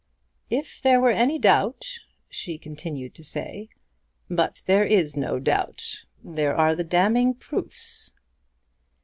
"If there were any doubt," she continued to say, "but there is no doubt. There are the damning proofs."